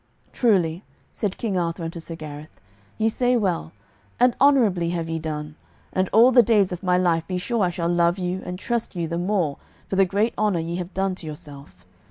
"Truly," said King Arthur unto Sir Gareth, "ye say well, and honourably have ye done, and all the days of my life be sure I shall love you and trust you the more for the great honour ye have done to yourself.